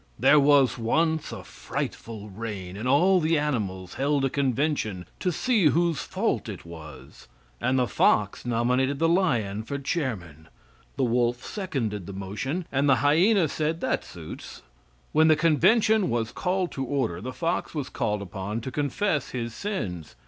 There was once a frightful rain, and all the animals held a convention, to see whose fault it was, and the fox nominated the lion for chairman. The wolf seconded the motion, and the hyena said "that suits." When the convention was called to order the fox was called upon to confess his sins.